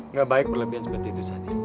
nggak baik perlebihan seperti itu sani